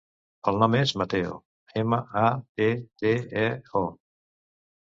El nom és Matteo: ema, a, te, te, e, o.